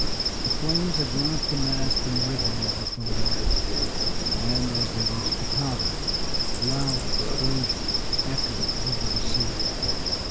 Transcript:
The flames had run up the mast and rigging of the Philadelphia, and as they reached the powder loud explosions echoed over the sea.